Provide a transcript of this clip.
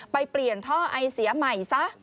ไปเปลี่ยนท่อไอเสียใหม่ซะ